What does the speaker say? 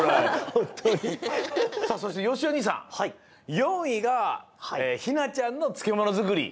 さあそしてよしお兄さん４いがひなちゃんのつけものづくり。